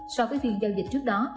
so với phiên giao dịch trước đó